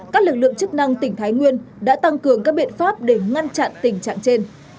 các lực lượng chức năng tỉnh thái nguyên đã tăng cường các biện pháp để ngăn chặn tình trạng trên